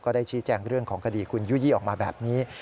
ได้ชี้แจงเรื่องของคดีคุณยู่ยี่ออกมาแบบนี้